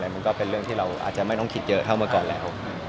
มันก็เป็นเรื่องที่เราอาจจะไม่ต้องคิดเยอะเท่าเมื่อก่อนแล้ว